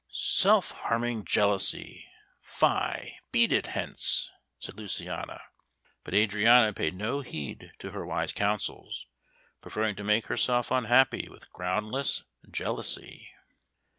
"Self harming jealousy! Fie, beat it hence!" said Luciana; but Adriana paid no heed to her wise counsels, preferring to make herself unhappy with groundless jealousy.